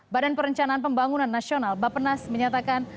badan perencanaan pembangunan nasional bapenas menyatakan